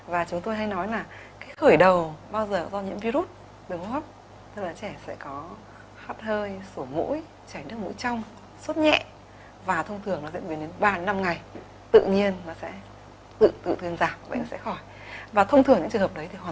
và thông thường những trường hợp đấy thì hoàn toàn không phải dùng kháng sinh đâu ạ